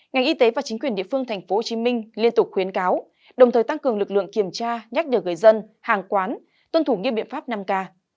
ngành y tế và chính quyền địa phương tp hcm liên tục khuyến cáo đồng thời tăng cường lực lượng kiểm tra nhắc nhở người dân hàng quán tuân thủ nghiêm biện pháp năm k